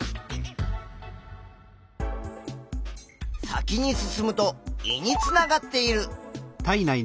先に進むと胃につながっている。